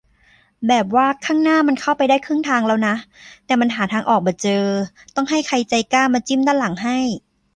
แบบว่าข้างหน้ามันเข้าไปได้ครึ่งทางแล้วนะ แต่มันหาทางออกบ่เจอ ต้องให้ใครใจกล้ามาจิ้มด้านหลังให้